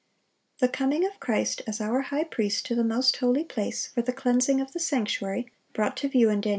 The coming of Christ as our high priest to the most holy place, for the cleansing of the sanctuary, brought to view in Dan.